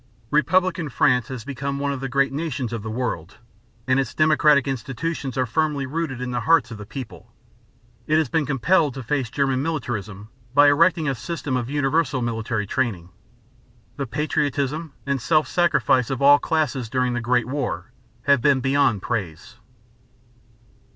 Republican France has become one of the great nations of the world, and its democratic institutions are firmly rooted in the hearts of the people. It has been compelled to face German militarism by erecting a system of universal military training. The patriotism and self sacrifice of all classes during the Great War have been beyond praise.